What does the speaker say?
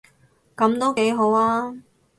噉都幾好吖